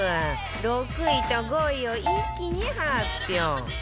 ６位と５位を一気に発表